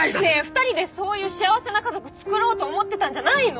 ２人でそういう幸せな家族作ろうと思ってたんじゃないの？